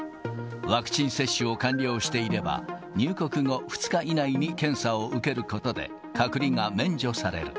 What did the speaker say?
ワクチン接種を完了していれば、入国後２日以内に検査を受けることで、隔離が免除される。